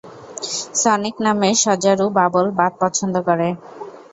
Sonic নামের সজারু bubble bath পছন্দ করে।